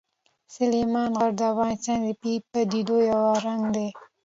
سلیمان غر د افغانستان د طبیعي پدیدو یو رنګ دی.